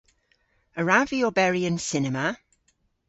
A wrav vy oberi yn cinema?